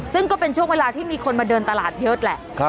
ซึ่งก็เป็นช่วงเวลาที่มีคนมาเดินตลาดเยอะแหละ